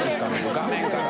画面から。